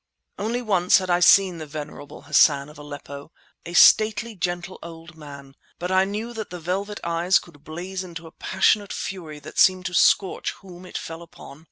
Only once had I seen the venerable Hassan of Aleppo—a stately, gentle old man; but I knew that the velvet eyes could blaze into a passionate fury that seemed to scorch whom it fell upon.